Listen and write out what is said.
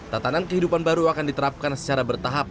tatanan kehidupan baru akan diterapkan secara bertahap